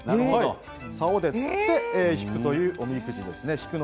さおで釣って引くというおみくじです。